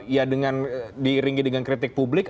ya dengan diiringi dengan kritik publik